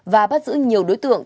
và bắt giữ nhiều đối tượng